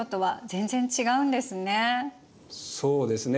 そうですね。